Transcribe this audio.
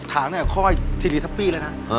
ไมท์ชอบข้อไหน